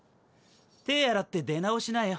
手ぇ洗って出直しなよ。